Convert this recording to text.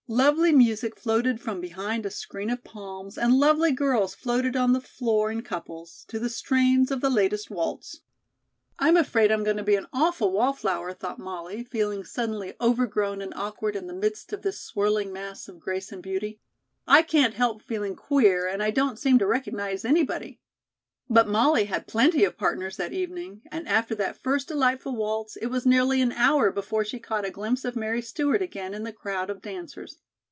Lovely music floated from behind a screen of palms and lovely girls floated on the floor in couples, to the strains of the latest waltz. "I'm afraid I'm going to be an awful wallflower," thought Molly, feeling suddenly overgrown and awkward in the midst of this swirling mass of grace and beauty. "I can't help feeling queer and I don't seem to recognize anybody." But Molly had plenty of partners that evening, and after that first delightful waltz, it was nearly an hour before she caught a glimpse of Mary Stewart again in the crowd of dancers.